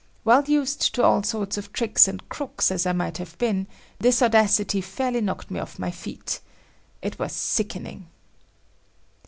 Well used to all sorts of tricks and crooks as I might have been, this audacity fairly knocked me off my feet. It was sickening.